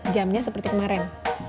jamnya seperti kemarin